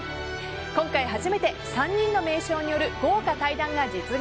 今回初めて、３人の名将による豪華対談が実現。